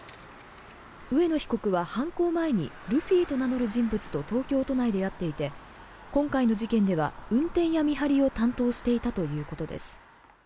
上野被告は、犯行前にルフィと名乗る人物と東京都内で会っていて今回の事件では運転や見張りを担当していたということです。